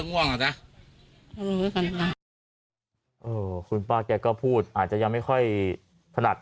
ก็ง่วงอ่ะจ๋าเออคุณป้าแกก็พูดอาจจะยังไม่ค่อยถนัด